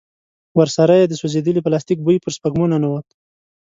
ورسره يې د سوځېدلي پلاستيک بوی پر سپږمو ننوت.